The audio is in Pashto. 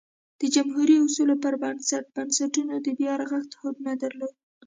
د جمهوري اصولو پر بنسټ بنسټونو د بیا رغښت هوډ نه درلود